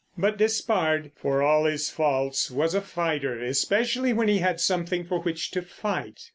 But Despard, for all his faults, was a fighter, especially when he had something for which to fight.